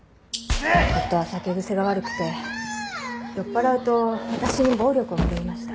夫は酒癖が悪くて酔っ払うと私に暴力を振るいました。